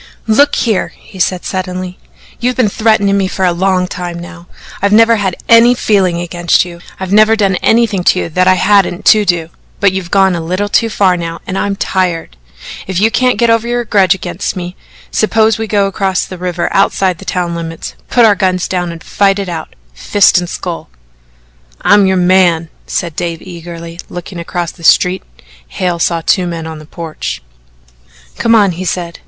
"Look here," he said suddenly, "you've been threatening me for a long time now. I've never had any feeling against you. I've never done anything to you that I hadn't to do. But you've gone a little too far now and I'm tired. If you can't get over your grudge against me, suppose we go across the river outside the town limits, put our guns down and fight it out fist and skull." "I'm your man," said Dave eagerly. Looking across the street Hale saw two men on the porch. "Come on!" he said.